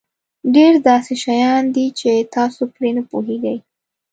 ډېر داسې شیان دي چې تاسو پرې نه پوهېږئ.